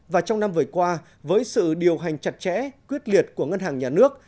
và trong năm vừa qua với sự điều hành chặt chẽ quyết liệt của ngân hàng nhà nước